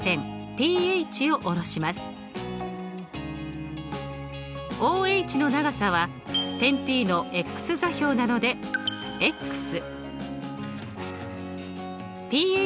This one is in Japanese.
ＰＨの長さは点Ｐの座標なのでです。